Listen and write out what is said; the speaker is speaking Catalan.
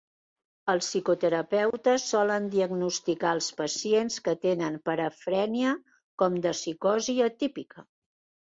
Els psicoterapeutes solen diagnosticar als pacients que tenen parafrènia com de psicosi atípica.